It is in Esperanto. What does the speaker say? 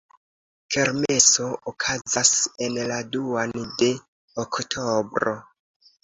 Kermeso okazas en la duan de oktobro.